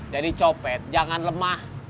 jadi copet jangan lemah